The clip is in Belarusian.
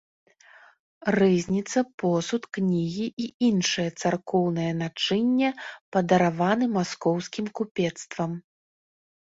Рызніца, посуд, кнігі і іншае царкоўнае начынне падараваны маскоўскім купецтвам.